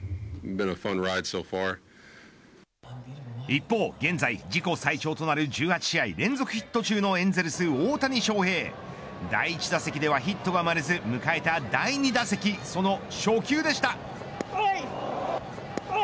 一方、現在自己最長となる１８試合連続ヒット中のエンゼルス、大谷翔平。第１打席ではヒットが生まれず迎えた第２打席その初球でした。